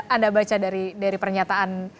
anda baca dari pernyataan